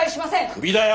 クビだよ！